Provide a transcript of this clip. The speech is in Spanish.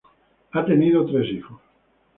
Ha tenido tres hijos.